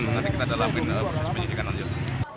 nanti kita dalamkan proses penyelidikan lanjut